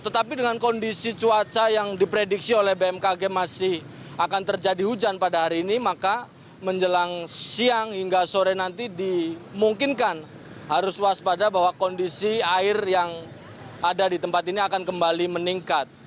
tetapi dengan kondisi cuaca yang diprediksi oleh bmkg masih akan terjadi hujan pada hari ini maka menjelang siang hingga sore nanti dimungkinkan harus waspada bahwa kondisi air yang ada di tempat ini akan kembali meningkat